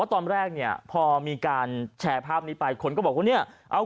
ตอนแรกเนี่ยพอมีการแชร์ภาพนี้ไปคนก็บอกว่าเนี่ยเอา